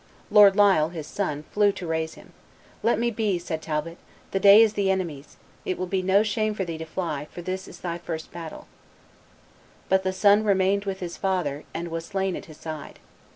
Lord Lisle, his son, flew to him to raise him. "Let me be," said Talbot; "the day is the enemies'; it will be no shame for thee to fly, for this is thy first battle." But the son remained with his father, and was slain at his side.